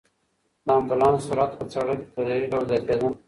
د امبولانس سرعت په سړک کې په تدریجي ډول زیاتېده.